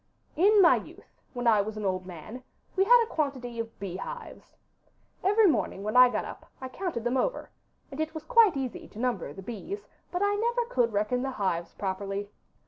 'In my youth, when I was an old man, we had a quantity of beehives. Every morning when I got up I counted them over, and it was quite easy to number the bees, but I never could reckon the hives properly.